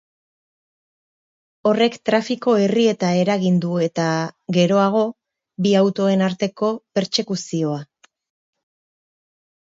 Horrek trafiko-errieta eragin du eta, geroago, bi autoen arteko pertsekuzioa.